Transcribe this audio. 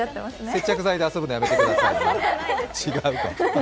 接着剤で遊ぶのやめてください違うか。